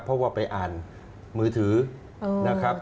เพราะว่าไปอ่านมือถือนะครับ